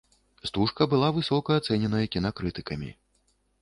Стужка была высока ацэненая кінакрытыкамі.